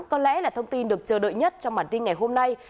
có lẽ là thông tin được chờ đợi nhất trong bản tin ngày hôm nay